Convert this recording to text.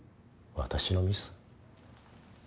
私のミス？